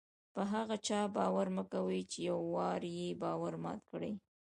په هغه چا باور مه کوئ! چي یو وار ئې باور مات کړى يي.